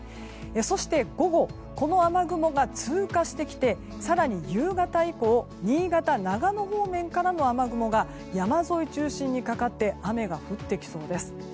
そして、午後この雨雲が通過してきて更に夕方以降新潟・長野方面からの雨雲が山沿い中心にかかって雨が降ってきそうです。